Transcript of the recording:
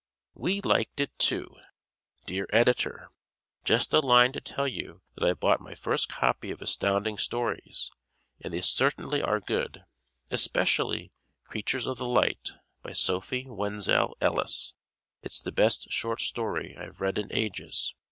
We Liked It, Too! Dear Editor: Just a line to tell you that I bought my first copy of Astounding Stories and they certainly are good, especially "Creatures of the Light," by Sophie Wenzel Ellis. It's the best short story I've read in ages.